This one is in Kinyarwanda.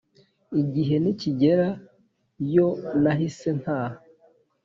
igihe nikigera yo nahise ntaha